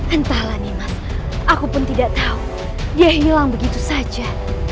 entahlah nih mas aku pun tidak tahu dia hilang begitu saja